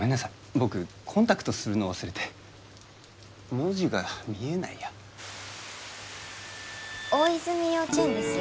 僕コンタクトするの忘れて文字が見えないや王泉幼稚園ですよ